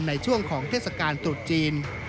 ในช่วงของเทศกาลตรุษจีน